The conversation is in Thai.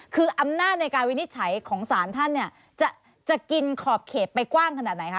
คืออำนาจในคำวินิจฉัยของศาลท่านจะกินขอบเข็บไปกว้างขนาดไหน